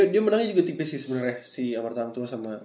dia menangnya juga tipis sih sebenarnya si amartya hang tua sama